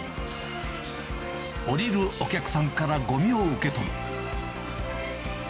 降りるお客さんからごみを受け取る。